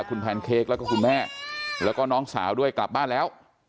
คุณแพนเค้กแล้วก็คุณแม่แล้วก็น้องสาวด้วยกลับบ้านแล้ว